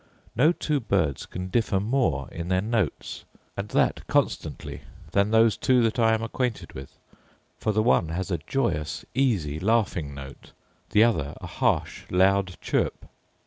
No two birds can differ more in their notes, and that constancy, than those two that I am acquainted with; for the one has a joyous, easy, laughing note; the other a harsh loud chirp.